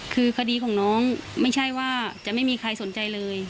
คือคดีของน้องไม่ใช่ว่าจะไม่มีใครสนใจเลย